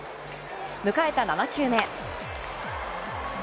迎えた７球目。